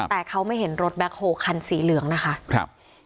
แต่เขาไม่เห็นรถแบ็คโฮคันสีเหลืองนะคะครับ